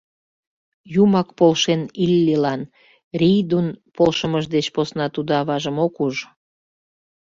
Юмак полшен Иллилан, Рийдун полшымыж деч посна тудо аважым ок уж.